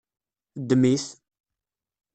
Ddem-it!